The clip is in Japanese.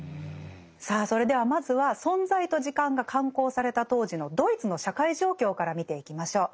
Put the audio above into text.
さあそれではまずは「存在と時間」が刊行された当時のドイツの社会状況から見ていきましょう。